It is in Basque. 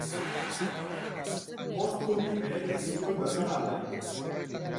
Bost zubi eraiki zituen Bergara aldean.